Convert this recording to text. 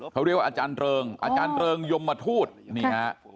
เขาเรียกว่าอาจารย์เริงอาจารย์เริงยมทูตนี่ฮะ